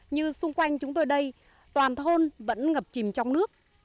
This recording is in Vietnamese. như xung quanh chúng tôi đây toàn thôn vẫn ngập chìm trong nước